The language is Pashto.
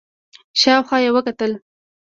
شاو خوا يې وکتل.